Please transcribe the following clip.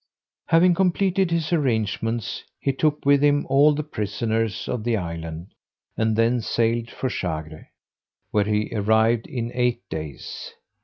Having completed his arrangements, he took with him all the prisoners of the island, and then sailed for Chagre, where he arrived in eight days.